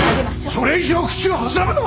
それ以上口を挟むな！